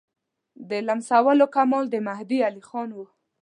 د لمسولو کمال د مهدي علیخان وو.